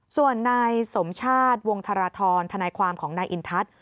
ส่วนนายสมชาติวงธรทรทนายความของนายอินทัศน์